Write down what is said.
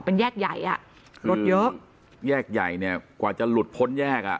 เป็นแยกใหญ่อ่ะรถเยอะแยกใหญ่เนี่ยกว่าจะหลุดพ้นแยกอ่ะ